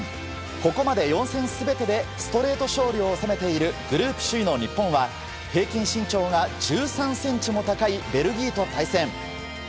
ここまで４戦すべてでストレート勝利を収めているグループ首位の日本は、平均身長が１３センチも高いベルギーと対戦。